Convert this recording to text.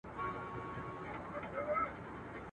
نه په حورو پسي ورک به ماشومان سي.